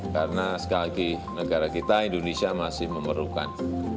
karena sekali lagi negara kita indonesia masih memerlukan